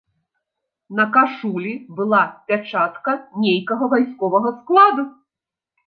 На кашулі была пячатка нейкага вайсковага складу.